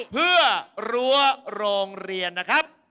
เพื่อรั้วโรงเรียนนะครับ